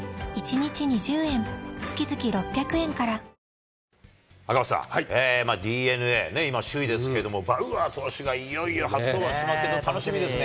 キリン「陸」赤星さん、ＤｅＮＡ、今、首位ですけど、バウアー投手がいよいよ初登板しますけれども、楽しみですね。